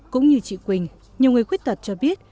cũng như chị quỳnh nhiều người khuyết tật cho biết